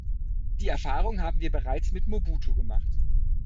Die Erfahrung haben wir bereits mit Mobutu gemacht.